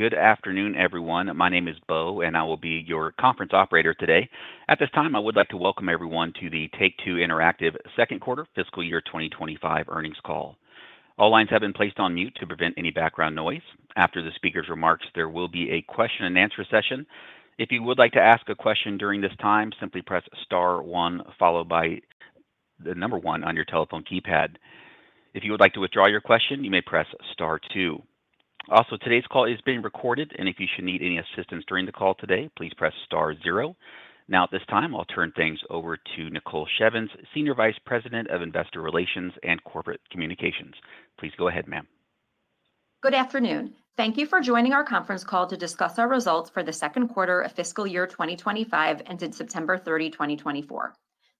Good afternoon, everyone. My name is Bo, and I will be your conference operator today. At this time, I would like to welcome everyone to the Take-Two Interactive second quarter, fiscal year 2025, earnings call. All lines have been placed on mute to prevent any background noise. After the speaker's remarks, there will be a question-and-answer session. If you would like to ask a question during this time, simply press Star one followed by the number one on your telephone keypad. If you would like to withdraw your question, you may press Star two. Also, today's call is being recorded, and if you should need any assistance during the call today, please press Star zero. Now, at this time, I'll turn things over to Nicole Shevins, Senior Vice President of Investor Relations and Corporate Communications. Please go ahead, ma'am. Good afternoon. Thank you for joining our conference call to discuss our results for the second quarter of fiscal year 2025 ended September 30, 2024.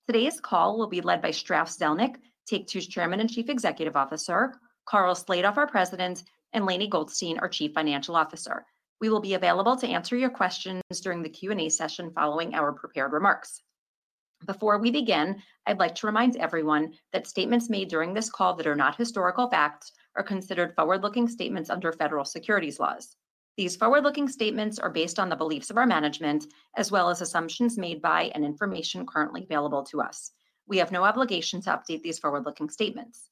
Today's call will be led by Strauss Zelnick, Take-Two's Chairman and Chief Executive Officer, Karl Slatoff, our President, and Lainie Goldstein, our Chief Financial Officer. We will be available to answer your questions during the Q&A session following our prepared remarks. Before we begin, I'd like to remind everyone that statements made during this call that are not historical facts are considered forward-looking statements under federal securities laws. These forward-looking statements are based on the beliefs of our management as well as assumptions made by and information currently available to us. We have no obligation to update these forward-looking statements.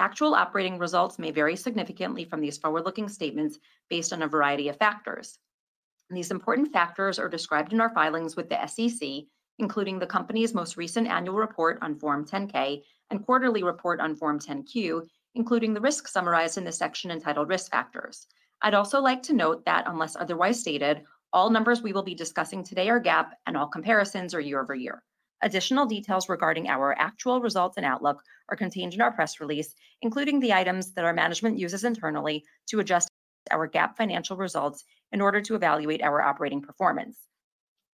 Actual operating results may vary significantly from these forward-looking statements based on a variety of factors. These important factors are described in our filings with the SEC, including the company's most recent annual report on Form 10-K and quarterly report on Form 10-Q, including the risk summarized in this section entitled Risk Factors. I'd also like to note that, unless otherwise stated, all numbers we will be discussing today are GAAP, and all comparisons are year-over-year. Additional details regarding our actual results and outlook are contained in our press release, including the items that our management uses internally to adjust our GAAP financial results in order to evaluate our operating performance.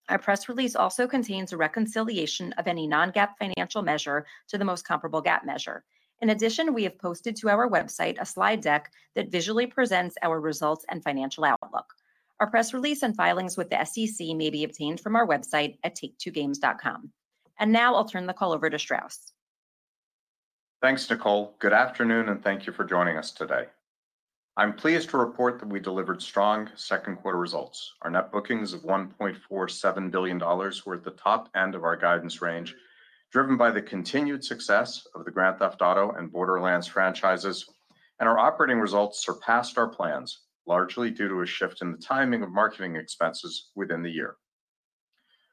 Our press release also contains a reconciliation of any non-GAAP financial measure to the most comparable GAAP measure. In addition, we have posted to our website a slide deck that visually presents our results and financial outlook. Our press release and filings with the SEC may be obtained from our website at take2games.com. Now I'll turn the call over to Strauss. Thanks, Nicole. Good afternoon, and thank you for joining us today. I'm pleased to report that we delivered strong second quarter results. Our net bookings of $1.47 billion were at the top end of our guidance range, driven by the continued success of the Grand Theft Auto and Borderlands franchises, and our operating results surpassed our plans, largely due to a shift in the timing of marketing expenses within the year.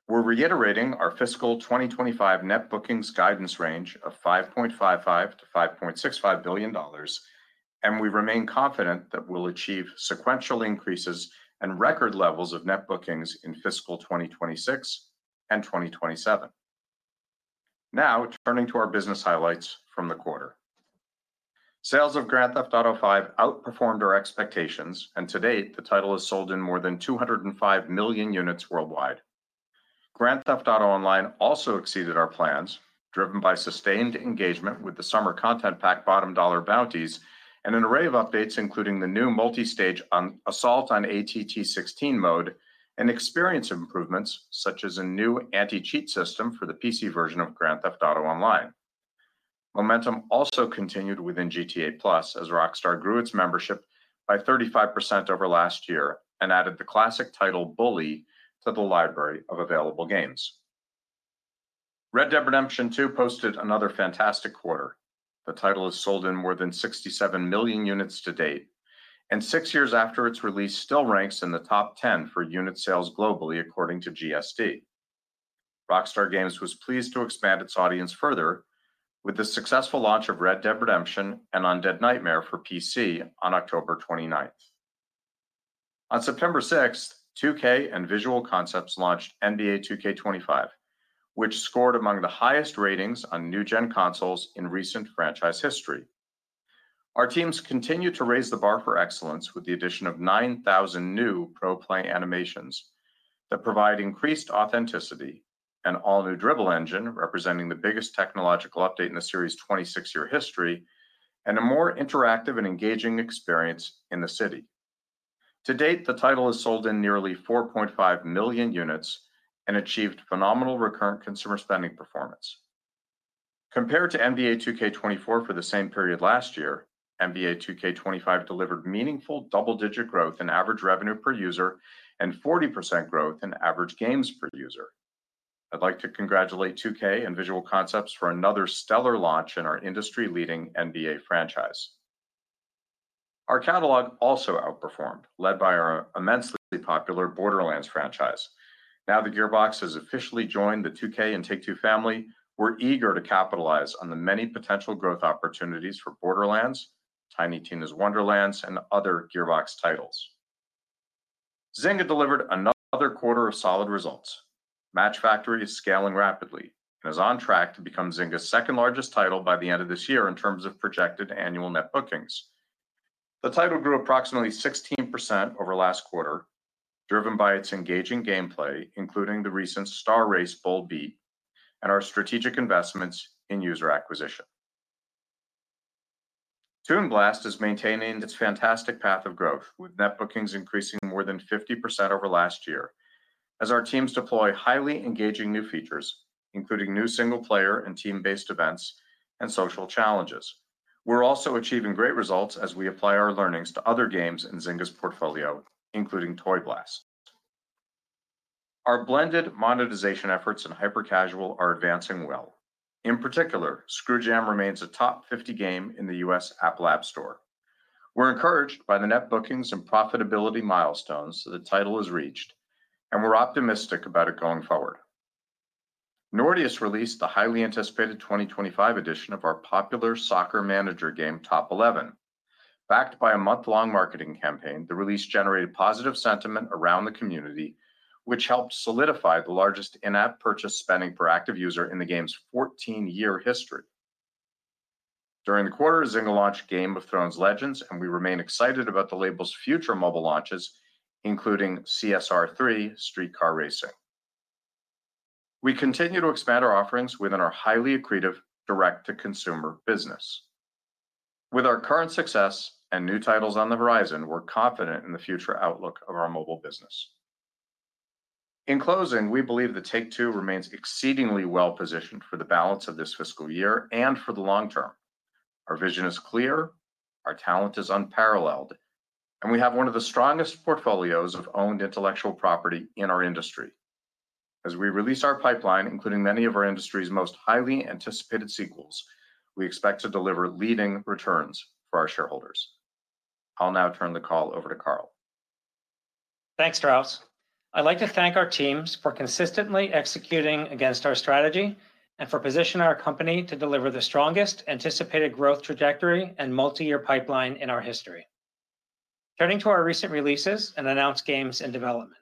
We're reiterating our fiscal 2025 net bookings guidance range of $5.55-$5.65 billion, and we remain confident that we'll achieve sequential increases and record levels of net bookings in fiscal 2026 and 2027. Now, turning to our business highlights from the quarter. Sales of Grand Theft Auto V outperformed our expectations, and to date, the title has sold in more than 205 million units worldwide. Grand Theft Auto Online also exceeded our plans, driven by sustained engagement with the Summer Content Pack Bottom Dollar Bounties and an array of updates, including the new multi-stage Assault on ATT-16 mode and experience improvements such as a new anti-cheat system for the PC version of Grand Theft Auto Online. Momentum also continued within GTA+ as Rockstar grew its membership by 35% over last year and added the classic title Bully to the library of available games. Red Dead Redemption 2 posted another fantastic quarter. The title has sold in more than 67 million units to date, and six years after its release, still ranks in the top 10 for unit sales globally, according to GSD. Rockstar Games was pleased to expand its audience further with the successful launch of Red Dead Redemption and Undead Nightmare for PC on October 29th. On September 6th, 2K and Visual Concepts launched NBA 2K25, which scored among the highest ratings on new-gen consoles in recent franchise history. Our teams continue to raise the bar for excellence with the addition of 9,000 new ProPLAY animations that provide increased authenticity, an all-new dribble engine representing the biggest technological update in the series' 26-year history, and a more interactive and engaging experience in the city. To date, the title has sold in nearly 4.5 million units and achieved phenomenal recurrent consumer spending performance. Compared to NBA 2K24 for the same period last year, NBA 2K25 delivered meaningful double-digit growth in average revenue per user and 40% growth in average games per user. I'd like to congratulate 2K and Visual Concepts for another stellar launch in our industry-leading NBA franchise. Our catalog also outperformed, led by our immensely popular Borderlands franchise. Now that Gearbox has officially joined the 2K and Take-Two family, we're eager to capitalize on the many potential growth opportunities for Borderlands, Tiny Tina's Wonderlands, and other Gearbox titles. Zynga delivered another quarter of solid results. Match Factory is scaling rapidly and is on track to become Zynga's second-largest title by the end of this year in terms of projected annual net bookings. The title grew approximately 16% over last quarter, driven by its engaging gameplay, including the recent Star Race bold beat, and our strategic investments in user acquisition. Toy Blast is maintaining its fantastic path of growth, with net bookings increasing more than 50% over last year as our teams deploy highly engaging new features, including new single-player and team-based events and social challenges. We're also achieving great results as we apply our learnings to other games in Zynga's portfolio, including Toy Blast. Our blended monetization efforts in hyper-casual are advancing well. In particular, Screw Jam remains a top 50 game in the U.S. Apple App Store. We're encouraged by the net bookings and profitability milestones that the title has reached, and we're optimistic about it going forward. Nordeus released the highly anticipated 2025 edition of our popular soccer manager game Top Eleven. Backed by a month-long marketing campaign, the release generated positive sentiment around the community, which helped solidify the largest in-app purchase spending per active user in the game's 14-year history. During the quarter, Zynga launched Game of Thrones: Legends, and we remain excited about the label's future mobile launches, including CSR Racing 3. We continue to expand our offerings within our highly accretive direct-to-consumer business. With our current success and new titles on the horizon, we're confident in the future outlook of our mobile business. In closing, we believe that Take-Two remains exceedingly well-positioned for the balance of this fiscal year and for the long term. Our vision is clear, our talent is unparalleled, and we have one of the strongest portfolios of owned intellectual property in our industry. As we release our pipeline, including many of our industry's most highly anticipated sequels, we expect to deliver leading returns for our shareholders. I'll now turn the call over to Karl. Thanks, Strauss. I'd like to thank our teams for consistently executing against our strategy and for positioning our company to deliver the strongest anticipated growth trajectory and multi-year pipeline in our history. Turning to our recent releases and announced games in development.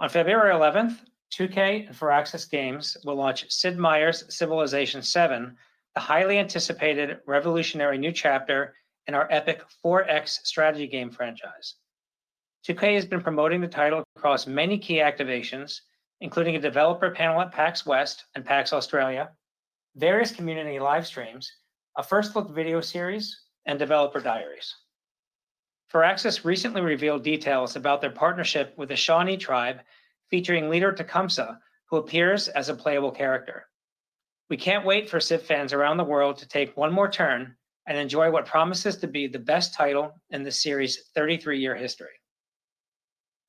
On February 11th, 2K and Firaxis Games will launch Sid Meier's Civilization VII, the highly anticipated revolutionary new chapter in our epic 4X strategy game franchise. 2K has been promoting the title across many key activations, including a developer panel at PAX West and PAX Australia, various community livestreams, a first-look video series, and developer diaries. Firaxis recently revealed details about their partnership with the Shawnee Tribe, featuring leader Tecumseh, who appears as a playable character. We can't wait for Civ fans around the world to take one more turn and enjoy what promises to be the best title in the series' 33-year history.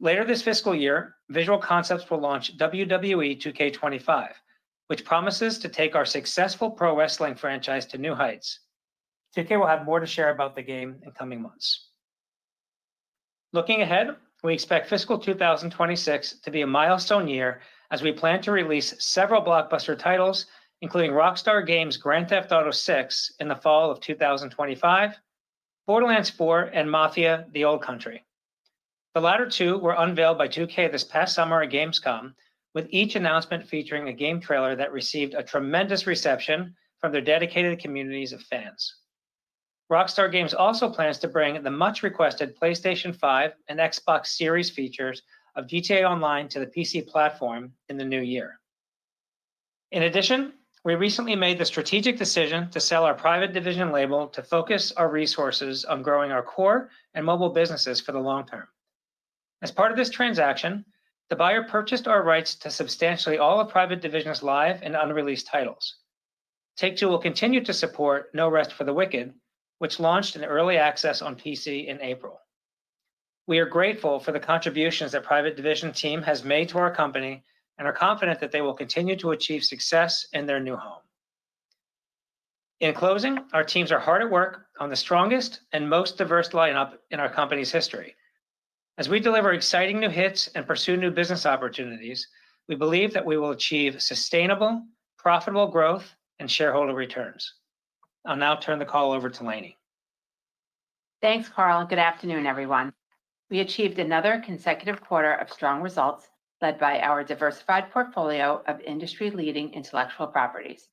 Later this fiscal year, Visual Concepts will launch WWE 2K25, which promises to take our successful pro wrestling franchise to new heights. 2K will have more to share about the game in coming months. Looking ahead, we expect fiscal 2026 to be a milestone year as we plan to release several blockbuster titles, including Rockstar Games' Grand Theft Auto VI in the fall of 2025, Borderlands 4, and Mafia: The Old Country. The latter two were unveiled by 2K this past summer at Gamescom, with each announcement featuring a game trailer that received a tremendous reception from their dedicated communities of fans. Rockstar Games also plans to bring the much-requested PlayStation 5 and Xbox Series features of GTA Online to the PC platform in the new year. In addition, we recently made the strategic decision to sell our Private Division label to focus our resources on growing our core and mobile businesses for the long term. As part of this transaction, the buyer purchased our rights to substantially all of Private Division's live and unreleased titles. Take-Two will continue to support No Rest for the Wicked, which launched in early access on PC in April. We are grateful for the contributions that Private Division's team has made to our company and are confident that they will continue to achieve success in their new home. In closing, our teams are hard at work on the strongest and most diverse lineup in our company's history. As we deliver exciting new hits and pursue new business opportunities, we believe that we will achieve sustainable, profitable growth and shareholder returns. I'll now turn the call over to Lainie. Thanks, Karl. Good afternoon, everyone. We achieved another consecutive quarter of strong results led by our diversified portfolio of industry-leading intellectual properties.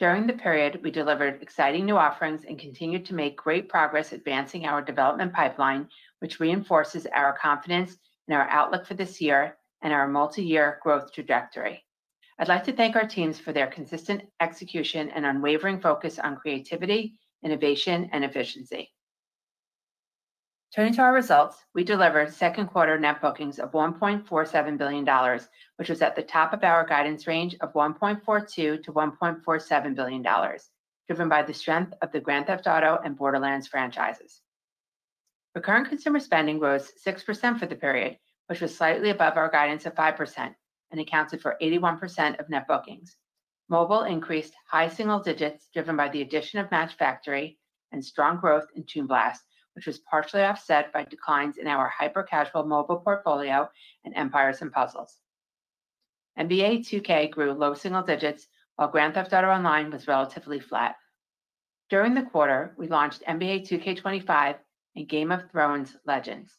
During the period, we delivered exciting new offerings and continued to make great progress advancing our development pipeline, which reinforces our confidence in our outlook for this year and our multi-year growth trajectory. I'd like to thank our teams for their consistent execution and unwavering focus on creativity, innovation, and efficiency. Turning to our results, we delivered second quarter net bookings of $1.47 billion, which was at the top of our guidance range of $1.42-$1.47 billion, driven by the strength of the Grand Theft Auto and Borderlands franchises. Recurrent consumer spending rose 6% for the period, which was slightly above our guidance of 5% and accounted for 81% of net bookings. Mobile increased high single digits, driven by the addition of Match Factory and strong growth in Toy Blast, which was partially offset by declines in our hyper-casual mobile portfolio and Empires & Puzzles. NBA 2K grew low single digits, while Grand Theft Auto Online was relatively flat. During the quarter, we launched NBA 2K25 and Game of Thrones: Legends.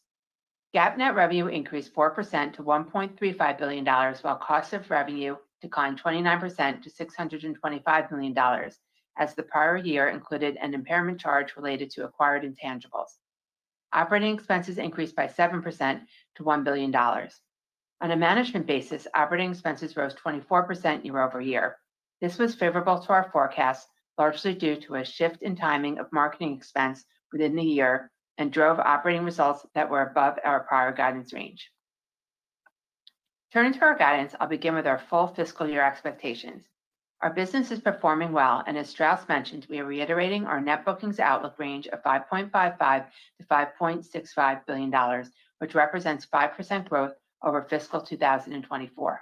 GAAP net revenue increased 4% to $1.35 billion, while cost of revenue declined 29% to $625 million as the prior year included an impairment charge related to acquired intangibles. Operating expenses increased by 7% to $1 billion. On a management basis, operating expenses rose 24% year-over-year. This was favorable to our forecasts, largely due to a shift in timing of marketing expense within the year and drove operating results that were above our prior guidance range. Turning to our guidance, I'll begin with our full fiscal year expectations. Our business is performing well, and as Strauss mentioned, we are reiterating our net bookings outlook range of $5.55-$5.65 billion, which represents 5% growth over fiscal 2024.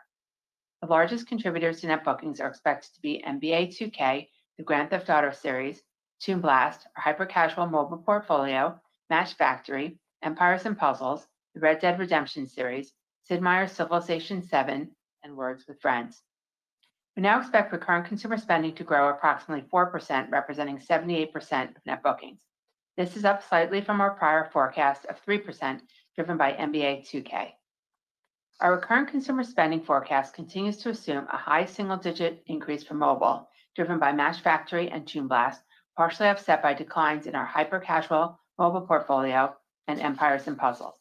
The largest contributors to net bookings are expected to be NBA 2K, the Grand Theft Auto series, Toy Blast, our hyper-casual mobile portfolio, Match Factory, Empires & Puzzles, the Red Dead Redemption series, CIV Meier's Civilization VII, and Words With Friends. We now expect recurrent consumer spending to grow approximately 4%, representing 78% of net bookings. This is up slightly from our prior forecast of 3%, driven by NBA 2K. Our recurrent consumer spending forecast continues to assume a high single-digit increase for mobile, driven by Match Factory and Toy Blast, partially offset by declines in our hyper-casual mobile portfolio and Empires & Puzzles.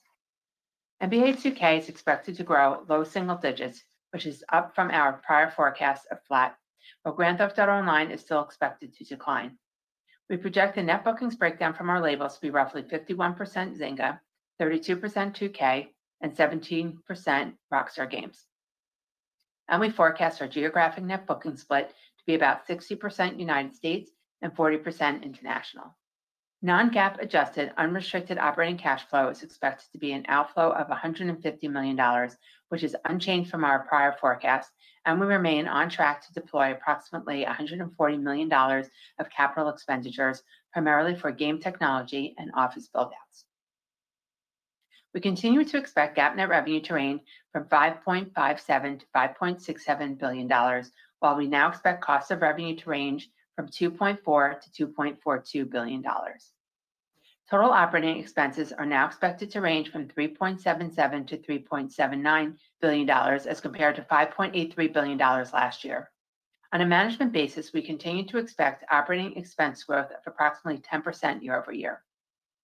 NBA 2K is expected to grow low single digits, which is up from our prior forecast of flat, while Grand Theft Auto Online is still expected to decline. We project the net bookings breakdown from our labels to be roughly 51% Zynga, 32% 2K, and 17% Rockstar Games. We forecast our geographic net booking split to be about 60% United States and 40% international. Non-GAAP adjusted unrestricted operating cash flow is expected to be an outflow of $150 million, which is unchanged from our prior forecast, and we remain on track to deploy approximately $140 million of capital expenditures, primarily for game technology and office buildouts. We continue to expect GAAP net revenue to range from $5.57-$5.67 billion, while we now expect cost of revenue to range from $2.4-$2.42 billion. Total operating expenses are now expected to range from $3.77-$3.79 billion as compared to $5.83 billion last year. On a management basis, we continue to expect operating expense growth of approximately 10% year over year.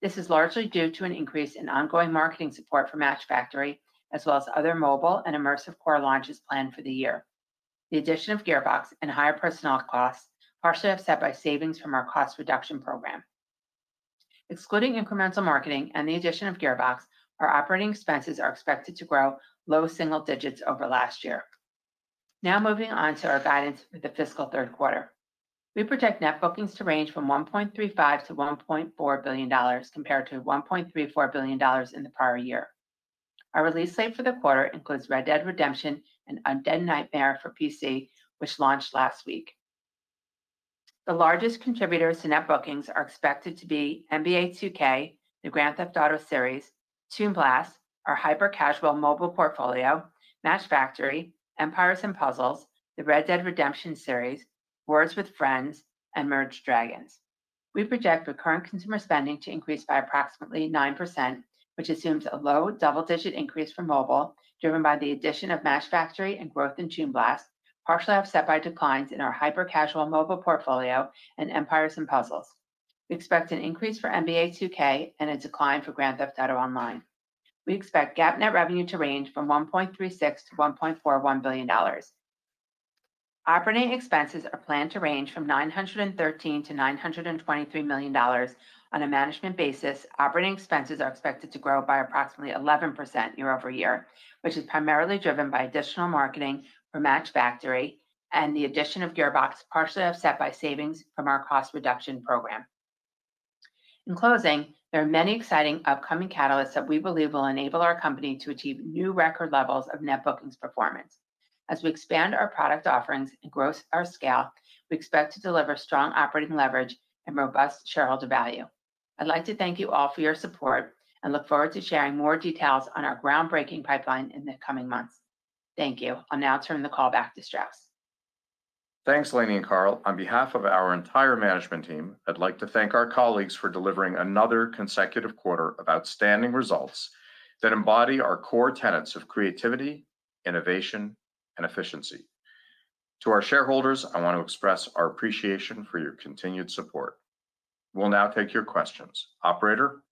This is largely due to an increase in ongoing marketing support for Match Factory, as well as other mobile and immersive core launches planned for the year. The addition of Gearbox and higher personnel costs partially offset by savings from our cost reduction program. Excluding incremental marketing and the addition of Gearbox, our operating expenses are expected to grow low single digits over last year. Now moving on to our guidance for the fiscal third quarter. We project net bookings to range from $1.35-$1.4 billion compared to $1.34 billion in the prior year. Our release slate for the quarter includes Red Dead Redemption and Undead Nightmare for PC, which launched last week. The largest contributors to net bookings are expected to be NBA 2K, the Grand Theft Auto series, Toy Blast, our hyper-casual mobile portfolio, Match Factory, Empires & Puzzles, the Red Dead Redemption series, Words With Friends, and Merge Dragons. We project recurrent consumer spending to increase by approximately 9%, which assumes a low double-digit increase for mobile, driven by the addition of Match Factory and growth in Toy Blast, partially offset by declines in our hyper-casual mobile portfolio and Empires & Puzzles. We expect an increase for NBA 2K and a decline for Grand Theft Auto Online. We expect GAAP net revenue to range from $1.36-$1.41 billion. Operating expenses are planned to range from $913-$923 million on a management basis. Operating expenses are expected to grow by approximately 11% year over year, which is primarily driven by additional marketing for Match Factory and the addition of Gearbox, partially offset by savings from our cost reduction program. In closing, there are many exciting upcoming catalysts that we believe will enable our company to achieve new record levels of net bookings performance. As we expand our product offerings and grow our scale, we expect to deliver strong operating leverage and robust shareholder value. I'd like to thank you all for your support and look forward to sharing more details on our groundbreaking pipeline in the coming months. Thank you. I'll now turn the call back to Strauss. Thanks, Lainie and Karl. On behalf of our entire management team, I'd like to thank our colleagues for delivering another consecutive quarter of outstanding results that embody our core tenets of creativity, innovation, and efficiency. To our shareholders, I want to express our appreciation for your continued support. We'll now take your questions. Operator?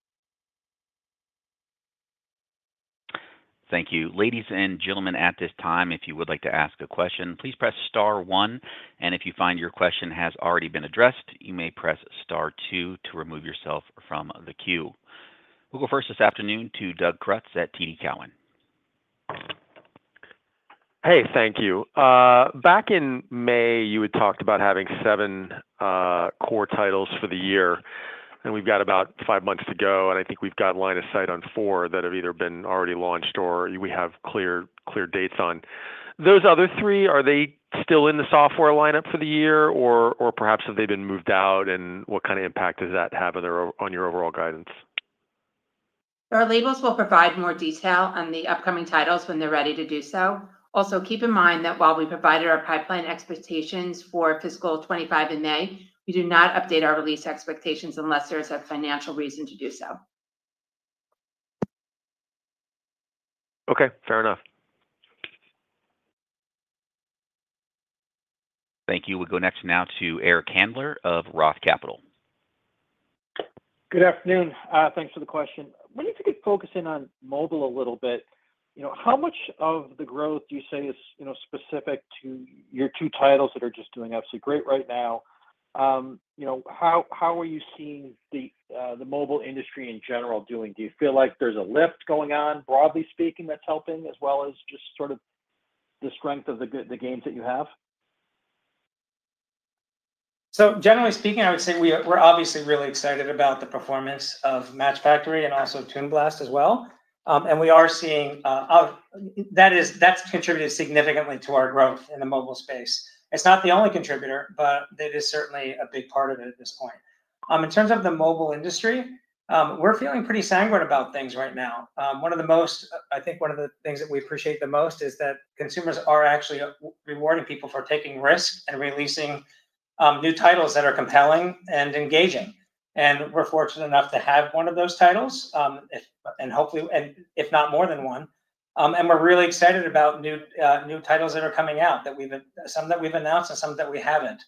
Thank you. Ladies and gentlemen, at this time, if you would like to ask a question, please press Star 1. And if you find your question has already been addressed, you may press Star 2 to remove yourself from the queue. We'll go first this afternoon to Doug Creutz at TD Cowen. Hey, thank you. Back in May, you had talked about having seven core titles for the year, and we've got about five months to go. And I think we've got line of sight on four that have either been already launched or we have clear dates on. Those other three, are they still in the software lineup for the year, or perhaps have they been moved out? And what kind of impact does that have on your overall guidance? Our labels will provide more detail on the upcoming titles when they're ready to do so. Also, keep in mind that while we provided our pipeline expectations for fiscal 2025 in May, we do not update our release expectations unless there is a financial reason to do so. Okay, fair enough. Thank you. We'll go next now to Eric Handler of Roth MKM. Good afternoon. Thanks for the question. We need to get focus in on mobile a little bit. How much of the growth do you say is specific to your two titles that are just doing absolutely great right now? How are you seeing the mobile industry in general doing? Do you feel like there's a lift going on, broadly speaking, that's helping, as well as just sort of the strength of the games that you have? Generally speaking, I would say we're obviously really excited about the performance of Match Factory and also Toy Blast as well. And we are seeing that's contributed significantly to our growth in the mobile space. It's not the only contributor, but it is certainly a big part of it at this point. In terms of the mobile industry, we're feeling pretty sanguine about things right now. One of the most, I think one of the things that we appreciate the most is that consumers are actually rewarding people for taking risks and releasing new titles that are compelling and engaging. And we're fortunate enough to have one of those titles, and hopefully, if not more than one. And we're really excited about new titles that are coming out, some that we've announced and some that we haven't.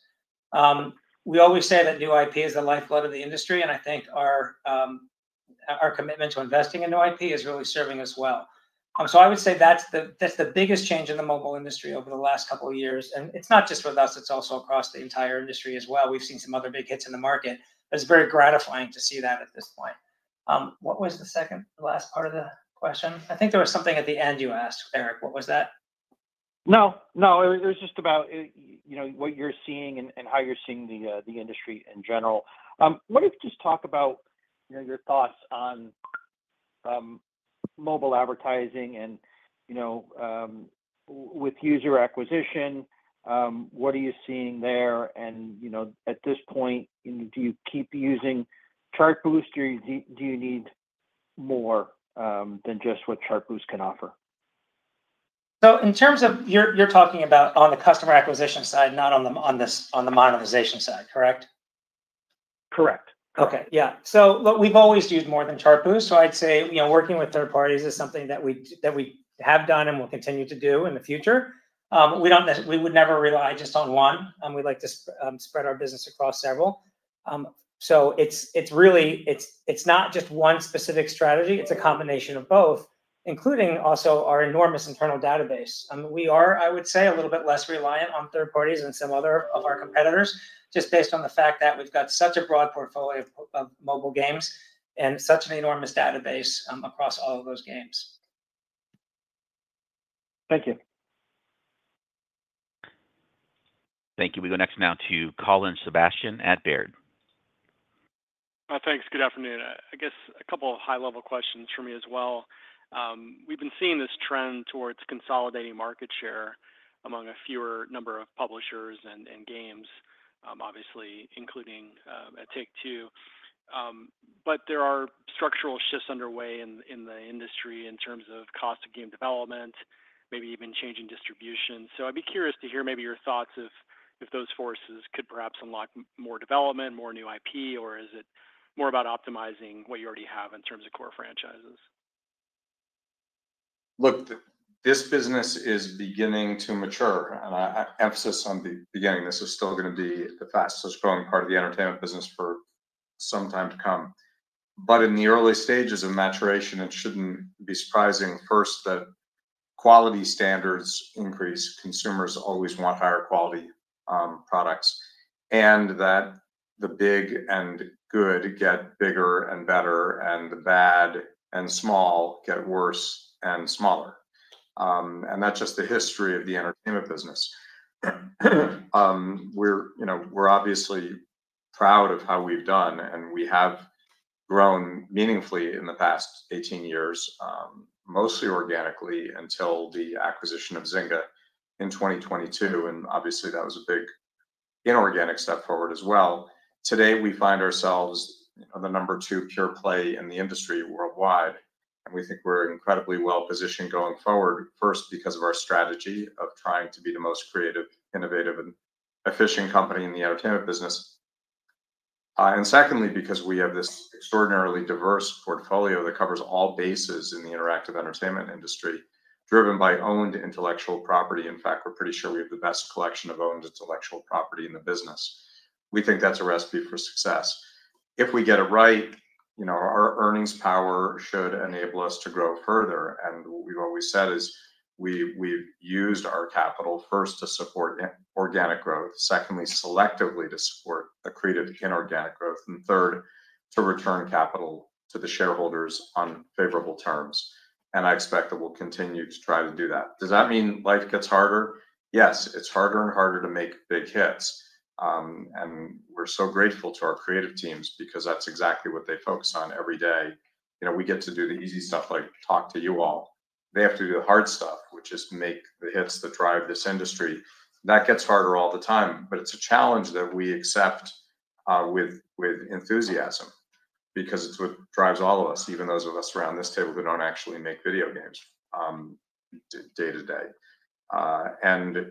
We always say that new IP is the lifeblood of the industry, and I think our commitment to investing in new IP is really serving us well. So I would say that's the biggest change in the mobile industry over the last couple of years. And it's not just with us, it's also across the entire industry as well. We've seen some other big hits in the market. It's very gratifying to see that at this point. What was the second, last part of the question? I think there was something at the end you asked, Eric. What was that? No, no. It was just about what you're seeing and how you're seeing the industry in general. What if you just talk about your thoughts on mobile advertising and with user acquisition? What are you seeing there? And at this point, do you keep using Chartboost, or do you need more than just what Chartboost can offer? So in terms of you're talking about on the customer acquisition side, not on the monetization side, correct? Correct. Okay. Yeah. So we've always used more than Chartboost. So I'd say working with third parties is something that we have done and will continue to do in the future. We would never rely just on one. We'd like to spread our business across several. So it's not just one specific strategy. It's a combination of both, including also our enormous internal database. We are, I would say, a little bit less reliant on third parties than some other of our competitors, just based on the fact that we've got such a broad portfolio of mobile games and such an enormous database across all of those games. Thank you. Thank you. We go next now to Colin Sebastian at Baird. Thanks. Good afternoon. I guess a couple of high-level questions for me as well. We've been seeing this trend towards consolidating market share among a fewer number of publishers and games, obviously, including Take-Two. But there are structural shifts underway in the industry in terms of cost of game development, maybe even changing distribution. So I'd be curious to hear maybe your thoughts if those forces could perhaps unlock more development, more new IP, or is it more about optimizing what you already have in terms of core franchises? Look, this business is beginning to mature, and I emphasize on the beginning, this is still going to be the fastest growing part of the entertainment business for some time to come, but in the early stages of maturation, it shouldn't be surprising first that quality standards increase. Consumers always want higher quality products, and that the big and good get bigger and better, and the bad and small get worse and smaller, and that's just the history of the entertainment business. We're obviously proud of how we've done, and we have grown meaningfully in the past 18 years, mostly organically until the acquisition of Zynga in 2022, and obviously, that was a big inorganic step forward as well. Today, we find ourselves the number two pure play in the industry worldwide. We think we're incredibly well positioned going forward, first because of our strategy of trying to be the most creative, innovative, and efficient company in the entertainment business, and secondly, because we have this extraordinarily diverse portfolio that covers all bases in the interactive entertainment industry, driven by owned intellectual property. In fact, we're pretty sure we have the best collection of owned intellectual property in the business. We think that's a recipe for success. If we get it right, our earnings power should enable us to grow further. What we've always said is we've used our capital first to support organic growth, secondly, selectively to support accretive inorganic growth, and third, to return capital to the shareholders on favorable terms. I expect that we'll continue to try to do that. Does that mean life gets harder? Yes, it's harder and harder to make big hits. And we're so grateful to our creative teams because that's exactly what they focus on every day. We get to do the easy stuff like talk to you all. They have to do the hard stuff, which is to make the hits that drive this industry. That gets harder all the time, but it's a challenge that we accept with enthusiasm because it's what drives all of us, even those of us around this table who don't actually make video games day to day. And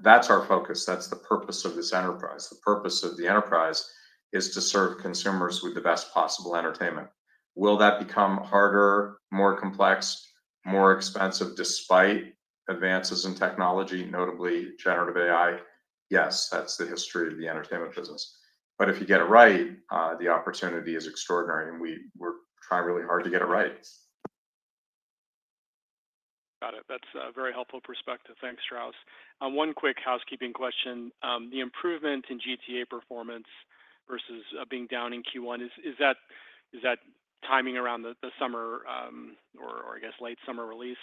that's our focus. That's the purpose of this enterprise. The purpose of the enterprise is to serve consumers with the best possible entertainment. Will that become harder, more complex, more expensive despite advances in technology, notably generative AI? Yes, that's the history of the entertainment business. But if you get it right, the opportunity is extraordinary. And we're trying really hard to get it right. Got it. That's a very helpful perspective. Thanks, Strauss. One quick housekeeping question. The improvement in GTA performance versus being down in Q1, is that timing around the summer or, I guess, late summer release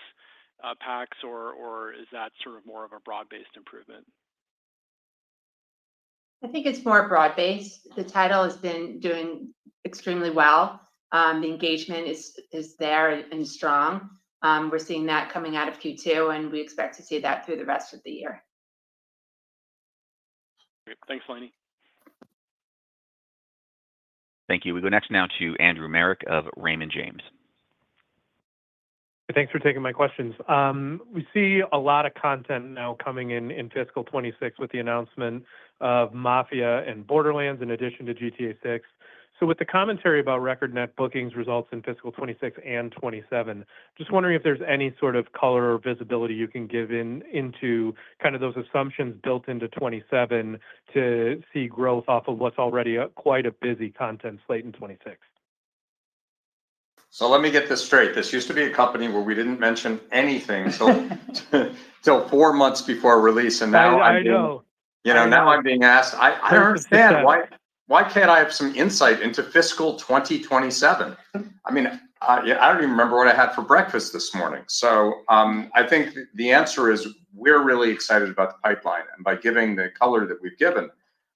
packs, or is that sort of more of a broad-based improvement? I think it's more broad-based. The title has been doing extremely well. The engagement is there and strong. We're seeing that coming out of Q2, and we expect to see that through the rest of the year. Thanks, Lainie. Thank you. We go next now to Andrew Marok of Raymond James. Thanks for taking my questions. We see a lot of content now coming in fiscal 26 with the announcement of Mafia and Borderlands in addition to GTA 6. So with the commentary about record net bookings results in fiscal 26 and 27, just wondering if there's any sort of color or visibility you can give into kind of those assumptions built into 27 to see growth off of what's already quite a busy content slate in 26? So let me get this straight. This used to be a company where we didn't mention anything until four months before release. And now. I know. Now I'm being asked. I understand. Why can't I have some insight into fiscal 2027? I mean, I don't even remember what I had for breakfast this morning. So I think the answer is we're really excited about the pipeline. And by giving the color that we've given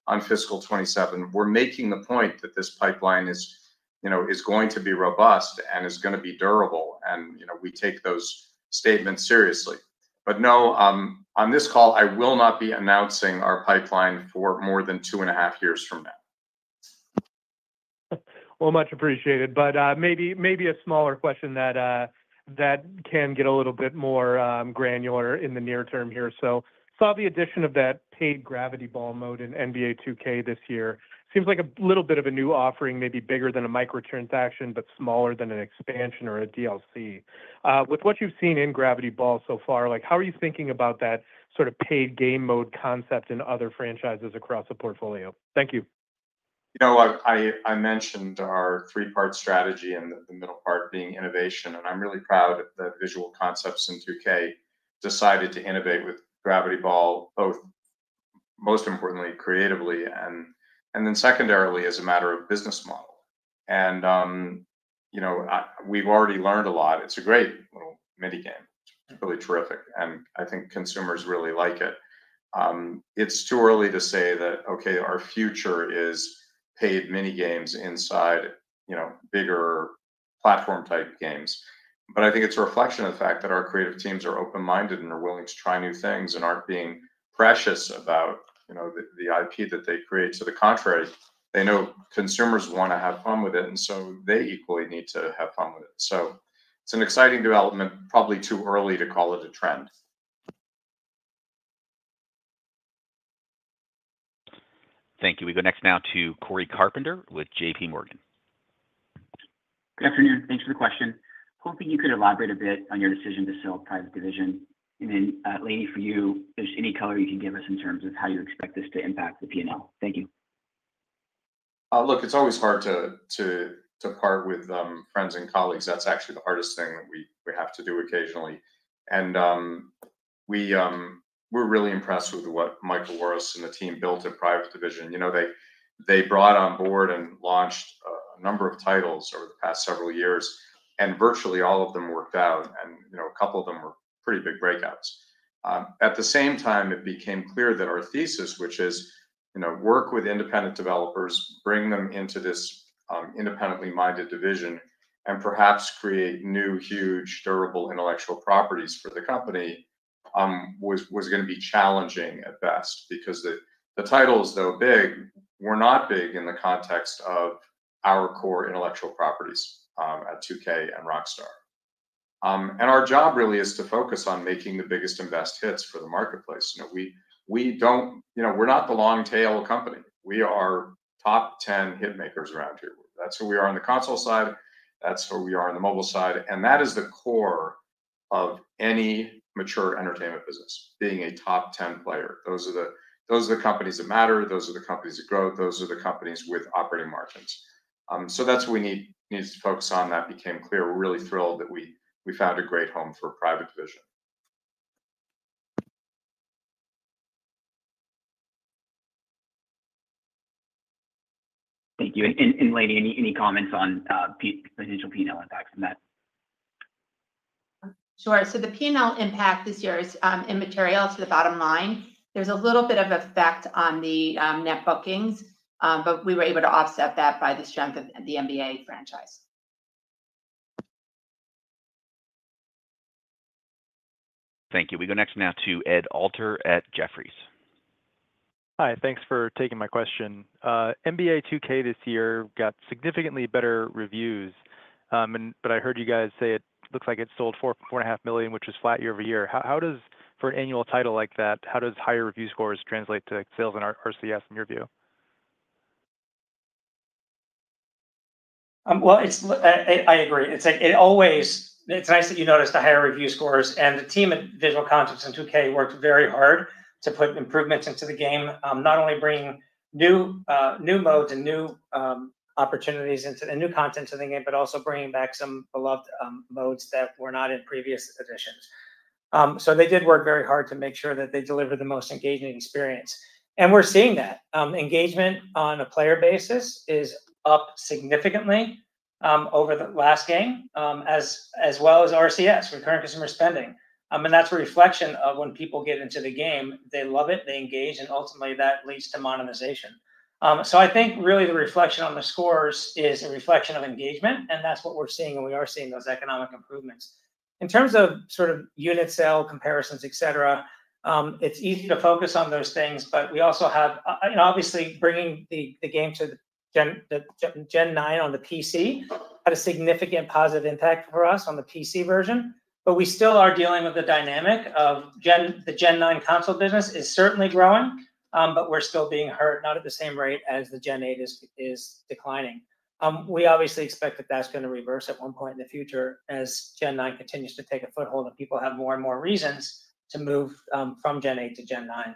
on fiscal 27, we're making the point that this pipeline is going to be robust and is going to be durable. And we take those statements seriously. But no, on this call, I will not be announcing our pipeline for more than two and a half years from now. Much appreciated. Maybe a smaller question that can get a little bit more granular in the near term here. Saw the addition of that paid Gravity Ball mode in NBA 2K this year. Seems like a little bit of a new offering, maybe bigger than a microtransaction, but smaller than an expansion or a DLC. With what you've seen in Gravity Ball so far, how are you thinking about that sort of paid game mode concept in other franchises across the portfolio? Thank you. I mentioned our three-part strategy and the middle part being innovation. And I'm really proud that Visual Concepts in 2K decided to innovate with Gravity Ball, both most importantly, creatively, and then secondarily, as a matter of business model. And we've already learned a lot. It's a great little minigame. It's really terrific. And I think consumers really like it. It's too early to say that, okay, our future is paid minigames inside bigger platform-type games. But I think it's a reflection of the fact that our creative teams are open-minded and are willing to try new things and aren't being precious about the IP that they create. To the contrary, they know consumers want to have fun with it, and so they equally need to have fun with it. So it's an exciting development, probably too early to call it a trend. Thank you. We go next now to Cory Carpenter with JPMorgan. Good afternoon. Thanks for the question. Hoping you could elaborate a bit on your decision to sell Private Division. And then, Lainie, for you, there's any color you can give us in terms of how you expect this to impact the P&L? Thank you. Look, it's always hard to part with friends and colleagues. That's actually the hardest thing that we have to do occasionally. And we're really impressed with what Michael Worosz and the team built at Private Division. They brought on board and launched a number of titles over the past several years, and virtually all of them worked out. And a couple of them were pretty big breakouts. At the same time, it became clear that our thesis, which is work with independent developers, bring them into this independently minded division, and perhaps create new, huge, durable intellectual properties for the company, was going to be challenging at best because the titles, though big, were not big in the context of our core intellectual properties at 2K and Rockstar. And our job really is to focus on making the biggest and best hits for the marketplace. We're not the long-tail company. We are top 10 hit makers around here. That's who we are on the console side. That's who we are on the mobile side. And that is the core of any mature entertainment business, being a top 10 player. Those are the companies that matter. Those are the companies that grow. Those are the companies with operating margins. So that's what we need to focus on. That became clear. We're really thrilled that we found a great home for Private Division. Thank you. And Lainie, any comments on potential P&L impacts from that? Sure, so the P&L impact this year is immaterial to the bottom line. There's a little bit of effect on the net bookings, but we were able to offset that by the strength of the NBA franchise. Thank you. We go next now to Ed Alter at Jefferies. Hi. Thanks for taking my question. NBA 2K this year got significantly better reviews. But I heard you guys say it looks like it sold 4.5 million, which is flat year over year. For an annual title like that, how does higher review scores translate to sales and RCS in your view? Well, I agree. It's nice that you noticed the higher review scores. And the team at Visual Concepts in 2K worked very hard to put improvements into the game, not only bringing new modes and new opportunities and new content to the game, but also bringing back some beloved modes that were not in previous editions. So they did work very hard to make sure that they delivered the most engaging experience. And we're seeing that. Engagement on a player basis is up significantly over the last game, as well as RCS, recurring consumer spending. And that's a reflection of when people get into the game, they love it, they engage, and ultimately, that leads to monetization. So I think really the reflection on the scores is a reflection of engagement. And that's what we're seeing. And we are seeing those economic improvements. In terms of sort of unit sale comparisons, etc., it's easy to focus on those things, but we also have, obviously, bringing the game to Gen 9 on the PC had a significant positive impact for us on the PC version, but we still are dealing with the dynamic of the Gen 9 console business is certainly growing, but we're still being hurt, not at the same rate as the Gen 8 is declining. We obviously expect that that's going to reverse at one point in the future as Gen 9 continues to take a foothold and people have more and more reasons to move from Gen 8 to Gen 9.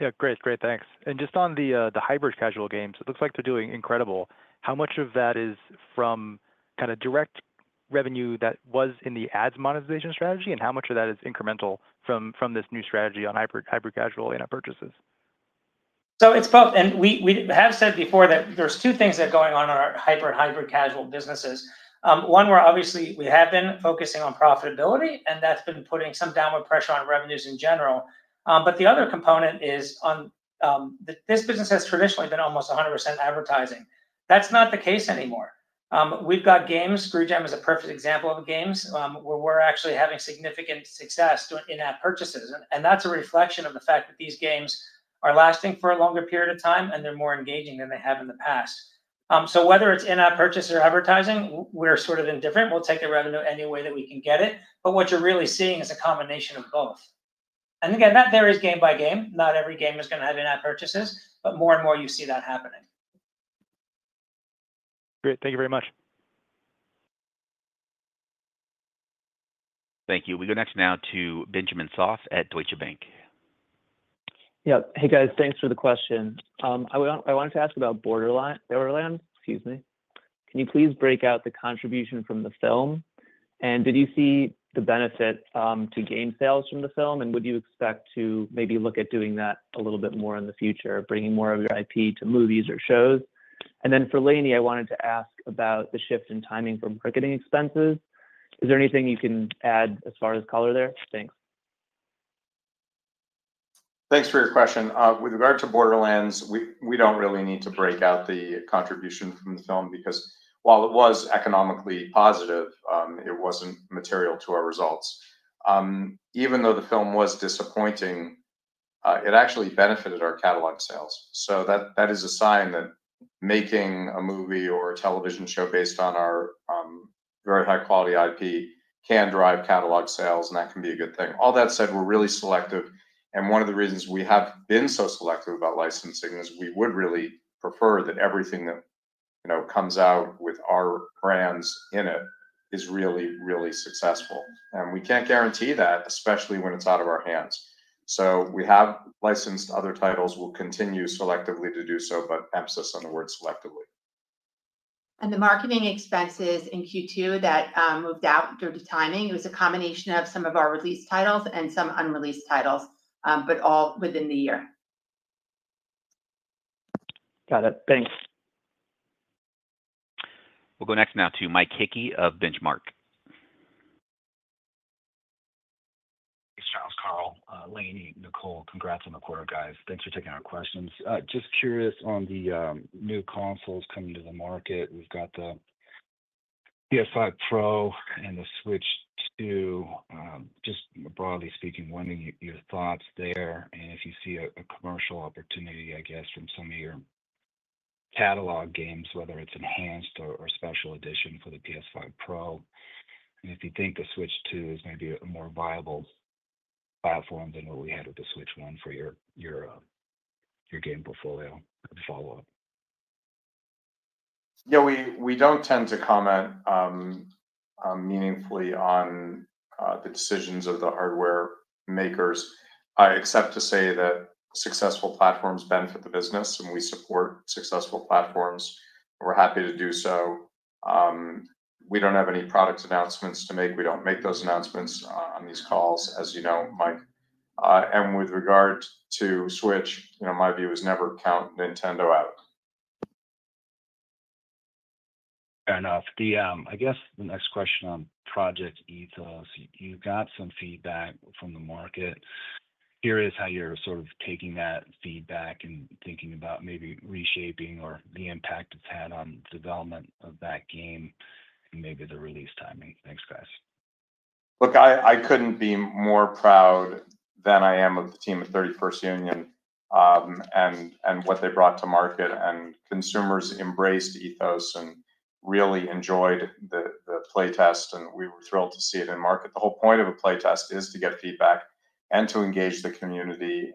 Yeah. Great. Great. Thanks. And just on the hybrid casual games, it looks like they're doing incredible. How much of that is from kind of direct revenue that was in the ads monetization strategy, and how much of that is incremental from this new strategy on hybrid casual in-app purchases? So it's both. And we have said before that there's two things that are going on in our hybrid casual businesses. One, obviously, we have been focusing on profitability, and that's been putting some downward pressure on revenues in general. But the other component is this business has traditionally been almost 100% advertising. That's not the case anymore. We've got games. Screw Jam is a perfect example of games where we're actually having significant success doing in-app purchases. And that's a reflection of the fact that these games are lasting for a longer period of time, and they're more engaging than they have in the past. So whether it's in-app purchases or advertising, we're sort of indifferent. We'll take the revenue any way that we can get it. But what you're really seeing is a combination of both. And again, that varies game by game. Not every game is going to have in-app purchases, but more and more you see that happening. Great. Thank you very much. Thank you. We go next now to Benjamin Soff at Deutsche Bank. Yeah. Hey, guys. Thanks for the question. I wanted to ask about Borderlands. Excuse me. Can you please break out the contribution from the film? And did you see the benefit to game sales from the film? And would you expect to maybe look at doing that a little bit more in the future, bringing more of your IP to movies or shows? And then for Lainie, I wanted to ask about the shift in timing for marketing expenses. Is there anything you can add as far as color there? Thanks. Thanks for your question. With regard to Borderlands, we don't really need to break out the contribution from the film because while it was economically positive, it wasn't material to our results. Even though the film was disappointing, it actually benefited our catalog sales. So that is a sign that making a movie or a television show based on our very high-quality IP can drive catalog sales, and that can be a good thing. All that said, we're really selective. And one of the reasons we have been so selective about licensing is we would really prefer that everything that comes out with our brands in it is really, really successful. And we can't guarantee that, especially when it's out of our hands. So we have licensed other titles. We'll continue selectively to do so, but emphasis on the word selectively. The marketing expenses in Q2 that moved out due to timing, it was a combination of some of our released titles and some unreleased titles, but all within the year. Got it. Thanks. We'll go next now to Mike Hickey of Benchmark. Thanks, Strauss, Karl, Lainie, Nicole. Congrats on the quarter, guys. Thanks for taking our questions. Just curious on the new consoles coming to the market. We've got the PS5 Pro and the Switch 2. Just broadly speaking, wondering your thoughts there. If you see a commercial opportunity, I guess, from some of your catalog games, whether it's enhanced or special edition for the PS5 Pro. If you think the Switch 2 is maybe a more viable platform than what we had with the Switch 1 for your game portfolio, as a follow-up. Yeah. We don't tend to comment meaningfully on the decisions of the hardware makers. I have to say that successful platforms benefit the business, and we support successful platforms. We're happy to do so. We don't have any product announcements to make. We don't make those announcements on these calls, as you know, Mike. With regard to Switch, my view is never count Nintendo out. Fair enough. I guess the next question on Project Ethos. You've got some feedback from the market. Here is how you're sort of taking that feedback and thinking about maybe reshaping or the impact it's had on the development of that game and maybe the release timing. Thanks, guys. Look, I couldn't be more proud than I am of the team at 31st Union and what they brought to market. Consumers embraced Ethos and really enjoyed the playtest. We were thrilled to see it in market. The whole point of a playtest is to get feedback and to engage the community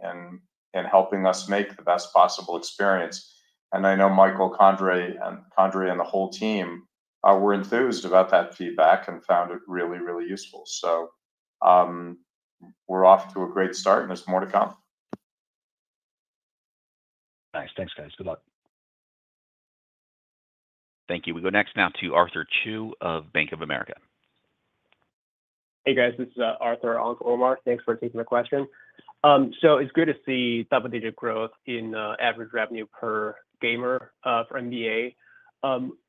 in helping us make the best possible experience. I know Michael Condrey and the whole team were enthused about that feedback and found it really, really useful. We're off to a great start, and there's more to come. Nice. Thanks, guys. Good luck. Thank you. We go next now to Arthur Chu of Bank of America. Hey, guys. This is Arthur Chu for Omar Dessouky. Thanks for taking the question. So it's good to see double-digit growth in average revenue per gamer for NBA.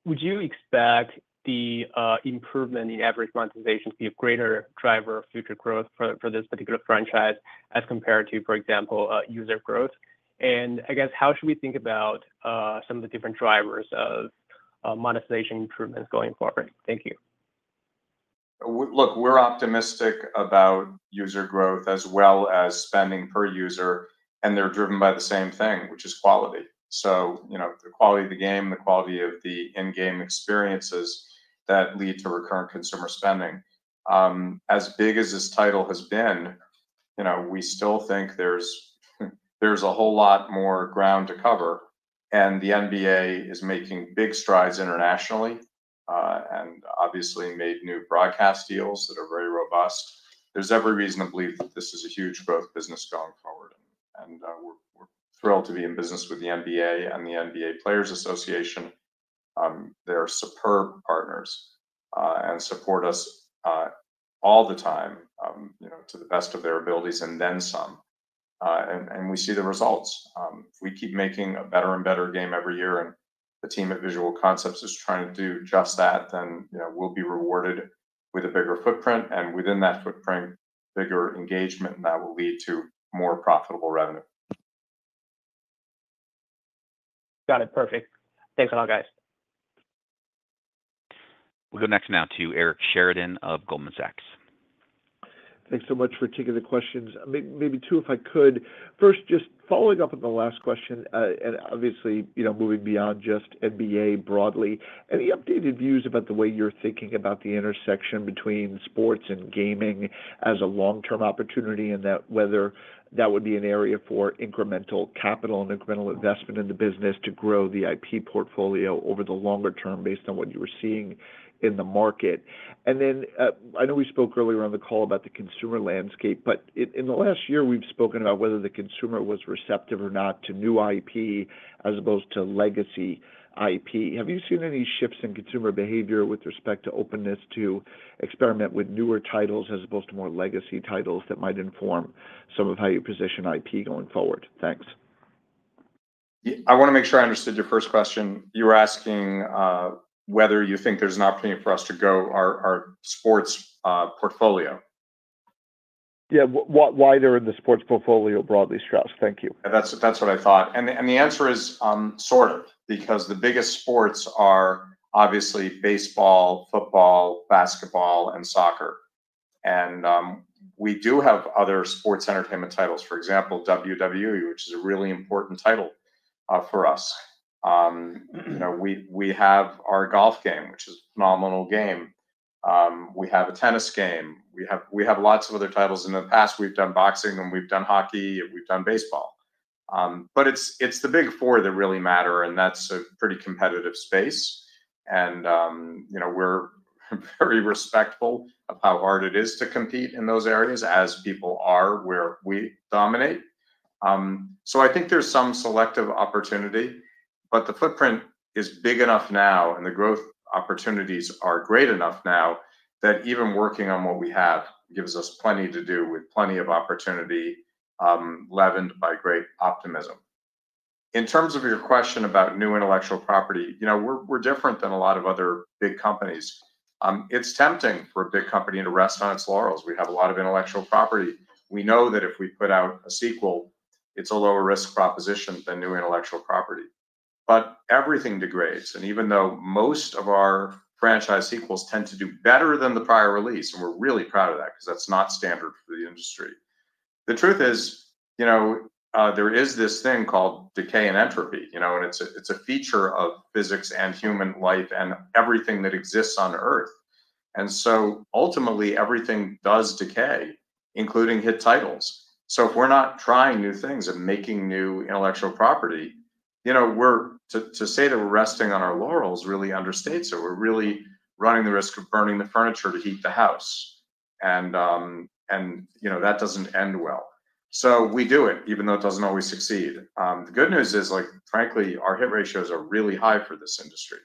Would you expect the improvement in average monetization to be a greater driver of future growth for this particular franchise as compared to, for example, user growth? And I guess, how should we think about some of the different drivers of monetization improvements going forward? Thank you. Look, we're optimistic about user growth as well as spending per user, and they're driven by the same thing, which is quality, so the quality of the game, the quality of the in-game experiences that lead to recurrent consumer spending. As big as this title has been, we still think there's a whole lot more ground to cover, and the NBA is making big strides internationally and obviously made new broadcast deals that are very robust. There's every reason to believe that this is a huge growth business going forward, and we're thrilled to be in business with the NBA and the NBA Players Association. They're superb partners and support us all the time to the best of their abilities and then some, and we see the results. If we keep making a better and better game every year and the team at Visual Concepts is trying to do just that, then we'll be rewarded with a bigger footprint and within that footprint, bigger engagement, and that will lead to more profitable revenue. Got it. Perfect. Thanks a lot, guys. We'll go next now to Eric Sheridan of Goldman Sachs. Thanks so much for taking the questions. Maybe two, if I could. First, just following up on the last question, and obviously moving beyond just NBA broadly, any updated views about the way you're thinking about the intersection between sports and gaming as a long-term opportunity and whether that would be an area for incremental capital and incremental investment in the business to grow the IP portfolio over the longer term based on what you were seeing in the market? And then I know we spoke earlier on the call about the consumer landscape, but in the last year, we've spoken about whether the consumer was receptive or not to new IP as opposed to legacy IP. Have you seen any shifts in consumer behavior with respect to openness to experiment with newer titles as opposed to more legacy titles that might inform some of how you position IP going forward? Thanks. I want to make sure I understood your first question. You were asking whether you think there's an opportunity for us to grow our sports portfolio. Yeah. Why they're in the sports portfolio broadly, Strauss. Thank you. That's what I thought. And the answer is sort of because the biggest sports are obviously baseball, football, basketball, and soccer. And we do have other sports entertainment titles, for example, WWE, which is a really important title for us. We have our golf game, which is a phenomenal game. We have a tennis game. We have lots of other titles. In the past, we've done boxing, and we've done hockey, and we've done baseball. But it's the big four that really matter, and that's a pretty competitive space. And we're very respectful of how hard it is to compete in those areas, as people are where we dominate. So I think there's some selective opportunity, but the footprint is big enough now, and the growth opportunities are great enough now that even working on what we have gives us plenty to do with plenty of opportunity leavened by great optimism. In terms of your question about new intellectual property, we're different than a lot of other big companies. It's tempting for a big company to rest on its laurels. We have a lot of intellectual property. We know that if we put out a sequel, it's a lower-risk proposition than new intellectual property. But everything degrades. And even though most of our franchise sequels tend to do better than the prior release, and we're really proud of that because that's not standard for the industry. The truth is there is this thing called decay and entropy. And it's a feature of physics and human life and everything that exists on Earth. And so ultimately, everything does decay, including hit titles. So if we're not trying new things and making new intellectual property, to say that we're resting on our laurels really understates it. We're really running the risk of burning the furniture to heat the house. And that doesn't end well. So we do it, even though it doesn't always succeed. The good news is, frankly, our hit ratios are really high for this industry.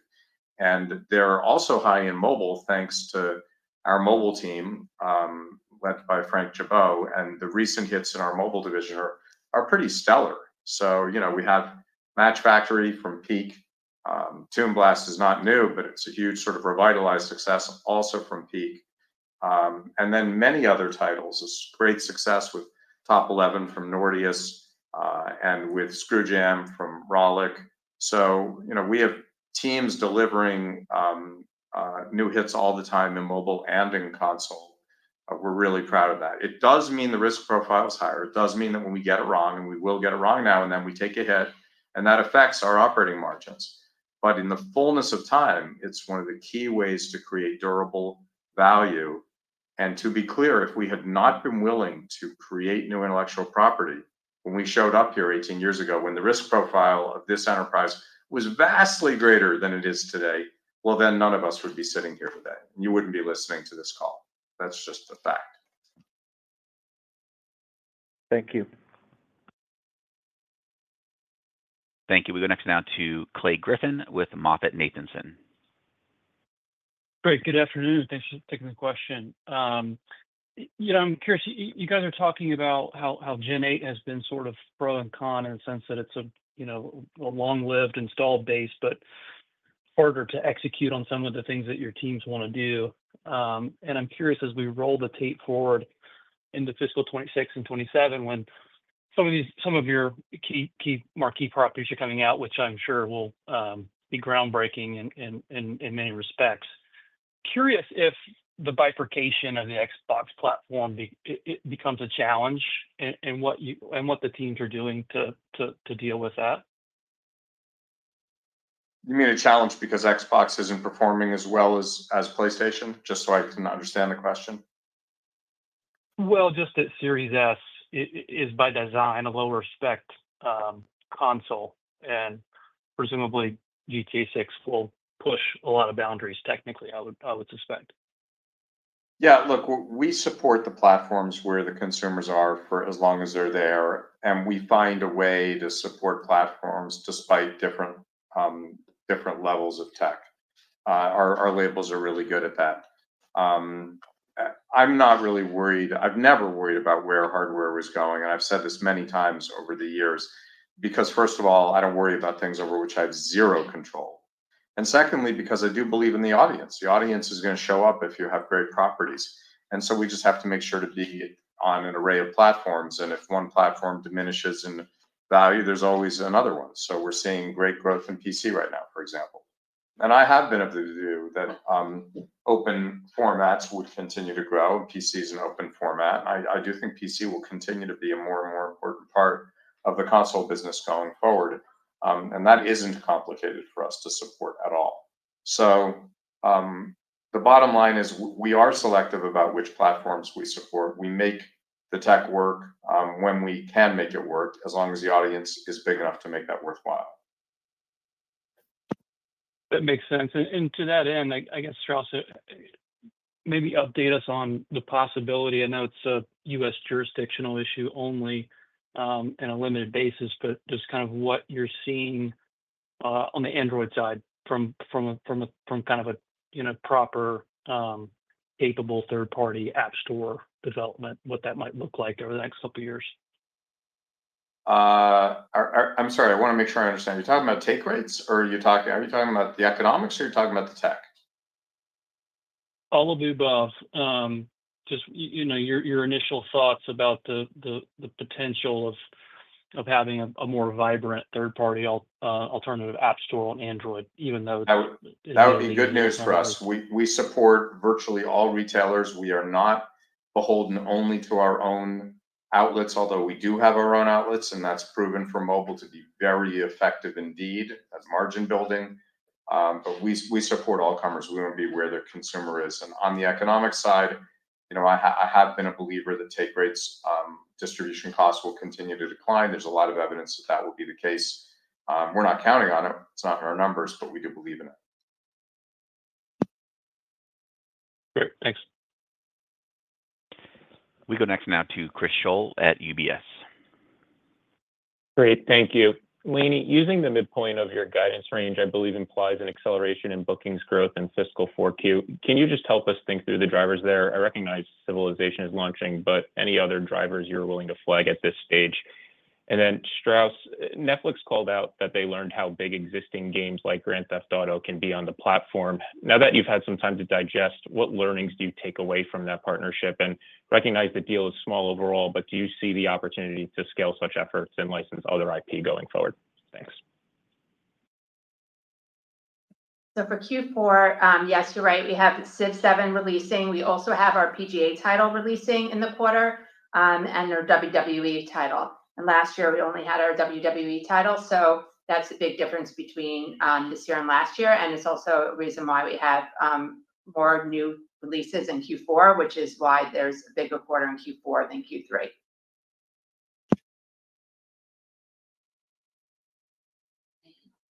And they're also high in mobile thanks to our mobile team led by Frank Gibeau. And the recent hits in our mobile division are pretty stellar. So we have Match Factory from Peak. Toy Blast is not new, but it's a huge sort of revitalized success also from Peak. And then many other titles. Its great success with Top Eleven from Nordeus and with Screwjam from Rollic. We have teams delivering new hits all the time in mobile and in console. We're really proud of that. It does mean the risk profile is higher. It does mean that when we get it wrong, and we will get it wrong now and then we take a hit, and that affects our operating margins. But in the fullness of time, it's one of the key ways to create durable value. To be clear, if we had not been willing to create new intellectual property when we showed up here 18 years ago when the risk profile of this enterprise was vastly greater than it is today, well, then none of us would be sitting here today. You wouldn't be listening to this call. That's just a fact. Thank you. Thank you. We go next now to Clay Griffin with MoffettNathanson. Great. Good afternoon. Thanks for taking the question. I'm curious. You guys are talking about how Gen 8 has been sort of pro and con in the sense that it's a long-lived installed base, but harder to execute on some of the things that your teams want to do. And I'm curious, as we roll the tape forward into fiscal 2026 and 2027, when some of your key marquee properties are coming out, which I'm sure will be groundbreaking in many respects, curious if the bifurcation of the Xbox platform becomes a challenge and what the teams are doing to deal with that. You mean a challenge because Xbox isn't performing as well as PlayStation? Just so I can understand the question. Just that Series S is by design a lower-spec console. Presumably, GTA 6 will push a lot of boundaries technically, I would suspect. Yeah. Look, we support the platforms where the consumers are for as long as they're there. And we find a way to support platforms despite different levels of tech. Our labels are really good at that. I'm not really worried. I've never worried about where hardware was going. And I've said this many times over the years because, first of all, I don't worry about things over which I have zero control. And secondly, because I do believe in the audience. The audience is going to show up if you have great properties. And so we just have to make sure to be on an array of platforms. And if one platform diminishes in value, there's always another one. So we're seeing great growth in PC right now, for example. And I have been of the view that open formats would continue to grow. PC is an open format. And I do think PC will continue to be a more and more important part of the console business going forward. And that isn't complicated for us to support at all. So the bottom line is we are selective about which platforms we support. We make the tech work when we can make it work as long as the audience is big enough to make that worthwhile. That makes sense. And to that end, I guess, Strauss, maybe update us on the possibility. I know it's a U.S. jurisdictional issue only in a limited basis, but just kind of what you're seeing on the Android side from kind of a proper capable third-party app store development, what that might look like over the next couple of years. I'm sorry. I want to make sure I understand. Are you talking about take rates? Or are you talking about the economics? Or are you talking about the tech? All of the above. Just your initial thoughts about the potential of having a more vibrant third-party alternative app store on Android, even though. That would be good news for us. We support virtually all retailers. We are not beholden only to our own outlets, although we do have our own outlets. And that's proven for mobile to be very effective indeed as margin building. But we support all commerce. We want to be where the consumer is. And on the economic side, I have been a believer that take rates, distribution costs will continue to decline. There's a lot of evidence that that will be the case. We're not counting on it. It's not in our numbers, but we do believe in it. Great. Thanks. We go next now to Chris Kuntarich at UBS. Great. Thank you. Lainie, using the midpoint of your guidance range, I believe implies an acceleration in bookings growth in fiscal 4Q. Can you just help us think through the drivers there? I recognize Civilization is launching, but any other drivers you're willing to flag at this stage? And then Strauss, Netflix called out that they learned how big existing games like Grand Theft Auto can be on the platform. Now that you've had some time to digest, what learnings do you take away from that partnership? And recognize the deal is small overall, but do you see the opportunity to scale such efforts and license other IP going forward? Thanks. So for Q4, yes, you're right. We have Civ 7 releasing. We also have our PGA title releasing in the quarter and our WWE title. And last year, we only had our WWE title. So that's a big difference between this year and last year. And it's also a reason why we have more new releases in Q4, which is why there's a bigger quarter in Q4 than Q3.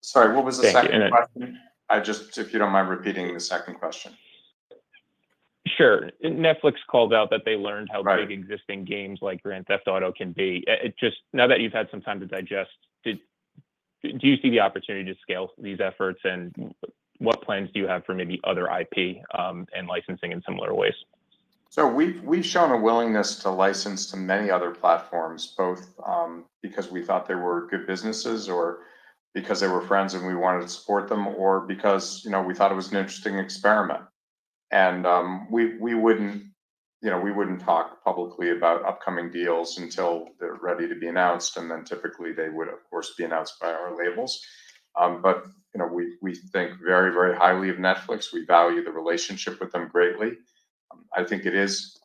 Sorry. What was the second question? If you don't mind repeating the second question. Sure. Netflix called out that they learned how big existing games like Grand Theft Auto can be. Now that you've had some time to digest, do you see the opportunity to scale these efforts? And what plans do you have for maybe other IP and licensing in similar ways? So we've shown a willingness to license to many other platforms, both because we thought they were good businesses or because they were friends and we wanted to support them or because we thought it was an interesting experiment. And we wouldn't talk publicly about upcoming deals until they're ready to be announced. And then typically, they would, of course, be announced by our labels. But we think very, very highly of Netflix. We value the relationship with them greatly. I think it is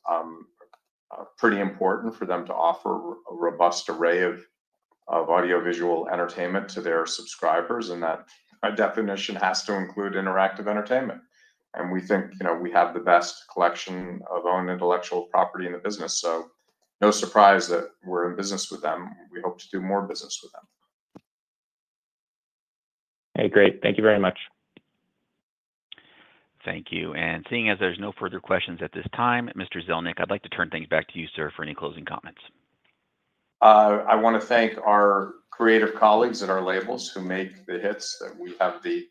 pretty important for them to offer a robust array of audiovisual entertainment to their subscribers, and that definition has to include interactive entertainment. And we think we have the best collection of owned intellectual property in the business. So no surprise that we're in business with them. We hope to do more business with them. Hey, great. Thank you very much. Thank you. And seeing as there's no further questions at this time, Mr. Zelnick, I'd like to turn things back to you, sir, for any closing comments. I want to thank our creative colleagues at our labels who make the hits that we have the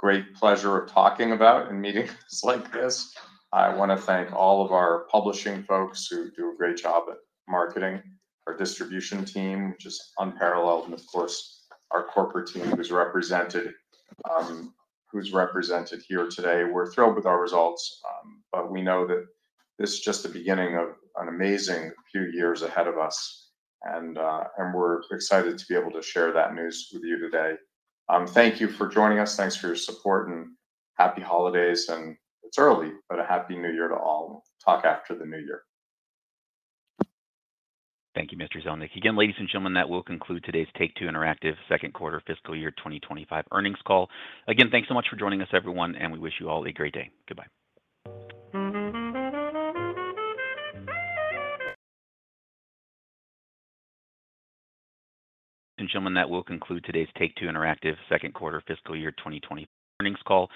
great pleasure of talking about and marketing like this. I want to thank all of our publishing folks who do a great job at marketing, our distribution team, which is unparalleled, and of course, our corporate team who's represented here today. We're thrilled with our results, but we know that this is just the beginning of an amazing few years ahead of us. And we're excited to be able to share that news with you today. Thank you for joining us. Thanks for your support. And happy holidays. And it's early, but a happy New Year to all. Talk after the New Year. Thank you, Mr. Zelnick. Again, ladies and gentlemen, that will conclude today's Take-Two Interactive second quarter fiscal year 2025 earnings call. Again, thanks so much for joining us, everyone. And we wish you all a great day. Goodbye. And gentlemen, that will conclude today's Take-Two Interactive second quarter fiscal year 2025 earnings call.